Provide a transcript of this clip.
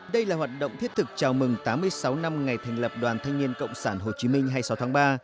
đây là hoạt động thiết thực chào mừng tám mươi sáu năm ngày thành lập đoàn thanh niên cộng sản hồ chí minh hai mươi sáu tháng ba